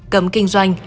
cấm kinh doanh